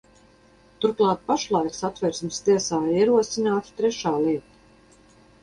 Turklāt pašlaik Satversmes tiesā ir ierosināta trešā lieta.